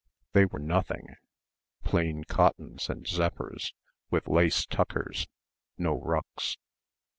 they were nothing ... plain cottons and zephyrs with lace tuckers no ruches.